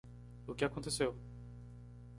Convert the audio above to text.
O que aconteceu?